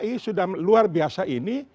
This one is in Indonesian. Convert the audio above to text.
prodrom luar biasa ini